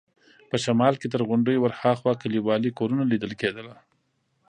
په شمال کې تر غونډیو ورهاخوا کلیوالي کورونه لیدل کېده.